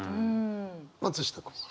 松下君は？